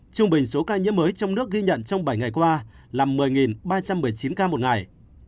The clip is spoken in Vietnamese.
trung bình số ca nhiễm mới trong nước ghi nhận trong bảy ngày qua là một mươi ba trăm một mươi chín ca một ngày